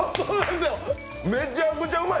めちゃくちゃうまい！